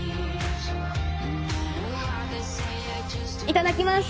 いただきます。